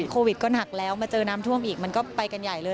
โควิดก็หนักแล้วมาเจอน้ำท่วมอีกมันก็ไปกันใหญ่เลย